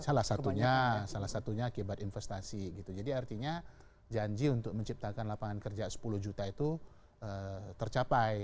salah satunya salah satunya akibat investasi gitu jadi artinya janji untuk menciptakan lapangan kerja sepuluh juta itu tercapai